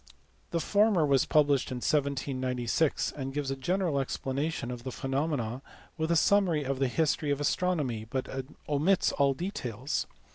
The former was published in 1796, and gives a general explanation of the phenomena with a summary of the history of astronomy, but omits all details.